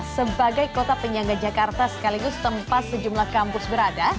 sebagai kota penyangga jakarta sekaligus tempat sejumlah kampus berada